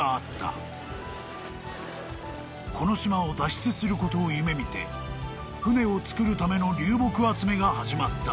［この島を脱出することを夢見て船を造るための流木集めが始まった］